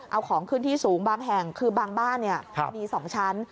เอาของขึ้นที่สูงบางแห่งคือบางบ้านมี๒ชั้น